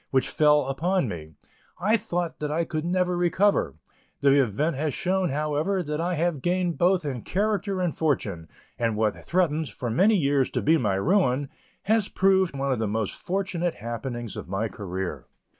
When the blow fell upon me, I thought that I could never recover; the event has shown, however, that I have gained both in character and fortune, and what threatened, for years, to be my ruin, has proved one of the most fortunate happenings of my career.